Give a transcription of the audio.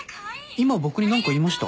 今僕に何か言いました？